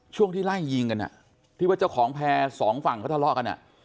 ช่วงที่ไล่ยิงกันที่ว่าเจ้าของแพร่สองฝั่งเขาทะเลาะกัน